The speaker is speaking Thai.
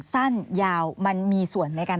สั้นยาวมันมีส่วนในการ